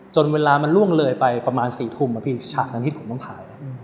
เวลามันล่วงเลยไปประมาณ๔ทุ่มฉากนั้นที่ผมต้องถ่าย